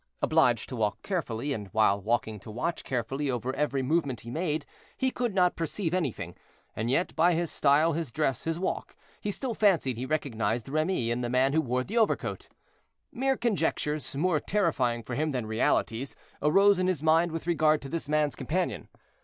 Obliged to walk carefully, and while walking to watch carefully over every movement he made, he could not perceive anything. And yet, by his style, his dress, his walk, he still fancied he recognized Remy in the man who wore the overcoat. Mere conjectures, more terrifying for him than realities, arose in his mind with regard to this man's companion.